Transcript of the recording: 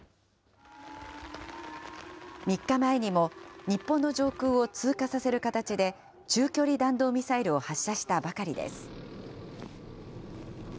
３日前にも、日本の上空を通過させる形で中距離弾道ミサイルを発射したばかりです。